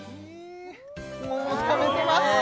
もう食べてますねえ